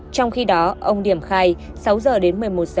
trong khi đó ông điểm khai sáu giờ đến một mươi một h